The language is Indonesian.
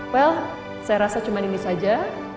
well saya rasa cuma ini saja